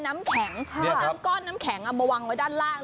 มาวางไว้ในด้านราท